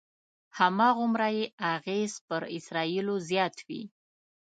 هماغومره یې اغېز پر اسرایلو زیات وي.